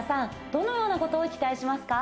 どのようなことを期待しますか？